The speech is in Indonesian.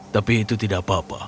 tapi itu tidak apa apa